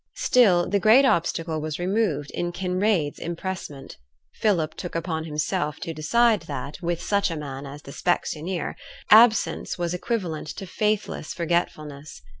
Still the great obstacle was removed in Kinraid's impressment. Philip took upon himself to decide that, with such a man as the specksioneer, absence was equivalent to faithless forgetfulness.